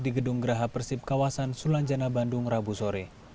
di gedung geraha persib kawasan sulanjana bandung rabu sore